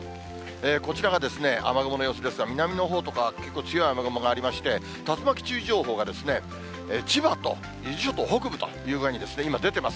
こちらが雨雲の様子ですが、南のほうとか、結構強い雨雲がありまして、竜巻注意情報が、千葉と伊豆諸島北部という具合に、今出てます。